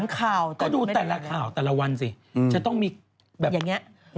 ก็ดูแต่ละข่าวแต่ละวันสิจะต้องมีแบบอย่างนี้